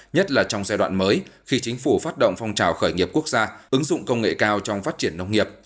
nhất là trong giai đoạn mới khi chính phủ phát động phong trào khởi nghiệp quốc gia ứng dụng công nghệ cao trong phát triển nông nghiệp